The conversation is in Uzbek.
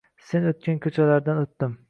Sen o’tgan ko’chalardan o’tdim.